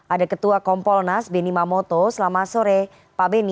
ada ketua kompol nas beni mamoto selamat sore pak beni